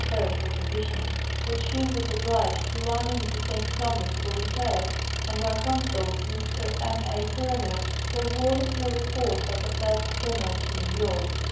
3rd for position) that she was obliged to run in to St. Thomas for re pairs, and our consul, Mr. M. A. Turner, forwarded her report by the first steamer to New York.